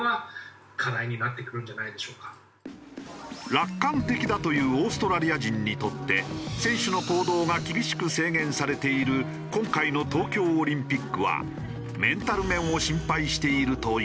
楽観的だというオーストラリア人にとって選手の行動が厳しく制限されている今回の東京オリンピックはメンタル面を心配しているという。